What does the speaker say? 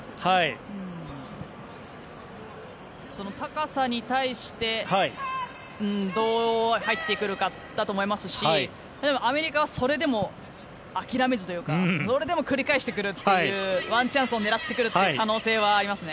高さに対してどう入ってくるかだと思いますし例えば、アメリカはそれでも諦めずというかそれでも繰り返してくるワンチャンスを狙ってくる可能性はありますね。